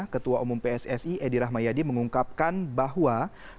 ketua umum pssi edi rahmayadi mengungkapkan bahwa